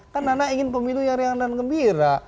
kan nana ingin pemilu yang riang dan gembira